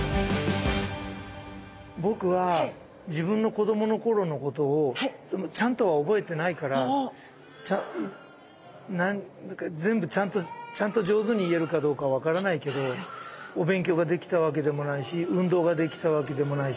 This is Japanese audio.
僕は自分の子どもの頃のことをちゃんとは覚えてないからちゃん全部ちゃんとちゃんと上手に言えるかどうかは分からないけどお勉強ができたわけでもないし運動ができたわけでもないし。